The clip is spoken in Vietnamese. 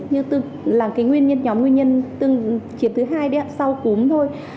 như là nhóm nguyên nhân từng chiếc thứ hai sau cúm thôi